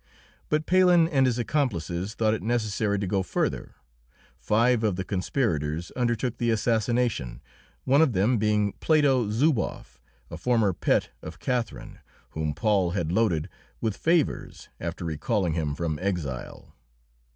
But Palhen and his accomplices thought it necessary to go further. Five of the conspirators undertook the assassination, one of them being Plato Zuboff, a former pet of Catherine, whom Paul had loaded with favours after recalling him from exile.